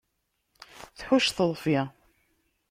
Tḥucc, teḍfi.